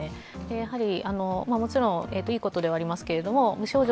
やはり、もちろんいいことではありますけど無症状